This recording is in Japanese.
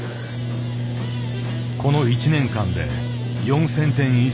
この一年間で４，０００点以上。